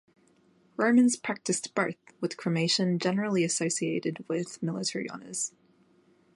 Romans practiced both, with cremation generally associated with military honors.